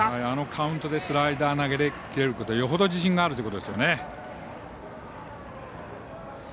あのカウントでスライダー投げれるということはよほど自信があるということですよね。